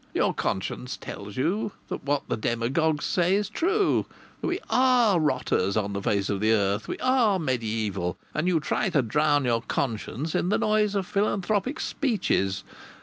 Your conscience tells you that what the demagogues say is true we are rotters on the face of the earth, we are mediæval; and you try to drown your conscience in the noise of philanthropic speeches.